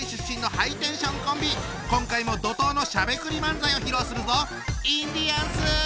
今回も怒とうのしゃべくり漫才を披露するぞ！